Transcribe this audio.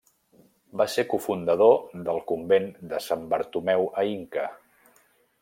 Va ser cofundador del convent de Sant Bartomeu a Inca.